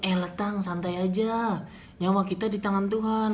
eh letang santai aja nyawa kita di tangan tuhan